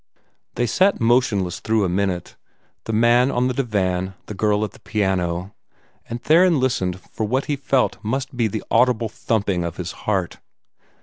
They sat motionless through a minute the man on the divan, the girl at the piano and Theron listened for what he felt must be the audible thumping of his heart.